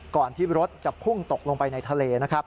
ก่อนที่รถจะพุ่งตกลงไปในทะเล